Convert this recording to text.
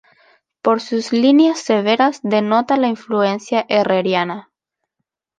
Por sus líneas severas denota la influencia herreriana.